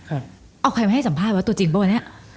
อ้าวใครไม่ให้สัมภาพว่าตัวจริงบ่อเนี่ย